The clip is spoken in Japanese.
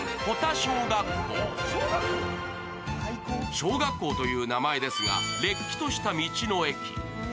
小学校という名前ですがれっきとした道の駅。